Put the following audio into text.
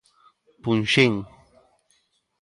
Punxín.